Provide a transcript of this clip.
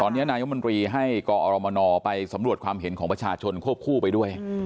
ตอนนี้นายมนตรีให้กอรมนไปสำรวจความเห็นของประชาชนควบคู่ไปด้วย